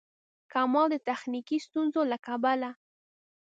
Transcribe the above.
کمال د تخنیکي ستونزو له کبله.